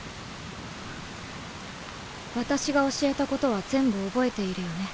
私が教えたことは全部覚えているよね。